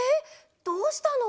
どうしたの？